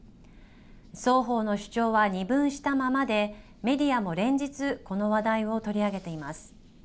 双方の主張は二分したままでメディアも連日この話題を取り上げています。